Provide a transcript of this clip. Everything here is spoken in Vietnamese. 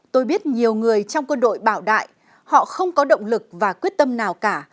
tôi biết nhiều người trong quân đội bảo đại họ không có động lực và quyết tâm nào cả